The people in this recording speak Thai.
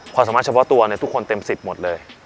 ความสามารถเฉพาะตัวทุกคนเต็ม๑๐หมดเลย